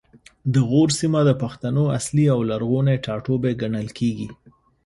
د غور سیمه د پښتنو اصلي او لرغونی ټاټوبی ګڼل کیږي